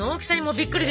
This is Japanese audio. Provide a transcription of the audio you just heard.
びっくり。